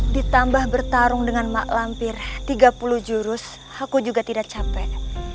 ditambah bertarung dengan mak lampir tiga puluh jurus aku juga tidak capek